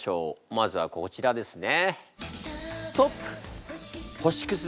まずはこちらですね。